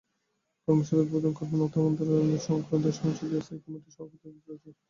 কর্মশালার উদ্বোধন করবেন অর্থ মন্ত্রণালয় সংক্রান্ত সংসদীয় স্থায়ী কমিটির সভাপতি আবদুর রাজ্জাক।